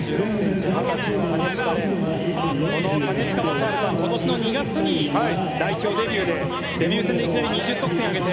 この金近も今年の２月に代表デビューでデビュー戦でいきなり２０得点を挙げて。